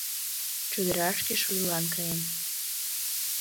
— Чодырашке шудылан каем.